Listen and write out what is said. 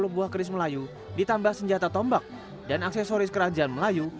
satu ratus lima puluh buah keris melayu ditambah senjata tombak dan aksesoris kerajaan melayu